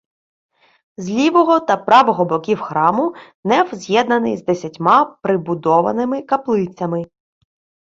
З лівого та правого боків храму неф з'єднаний з десятьма прибудованими каплицями.